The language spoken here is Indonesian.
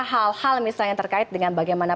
hal hal misalnya terkait dengan bagaimana